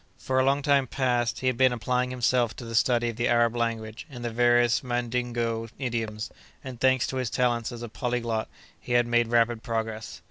For a long time past he had been applying himself to the study of the Arab language and the various Mandingoe idioms, and, thanks to his talents as a polyglot, he had made rapid progress.